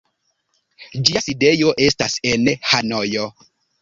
Ĝia sidejo estas en Hanojo.